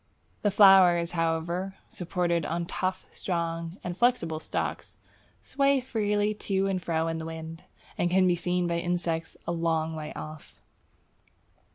The flowers, however, supported on tough, strong, and flexible stalks, sway freely to and fro in the wind, and can be seen by insects a long way off.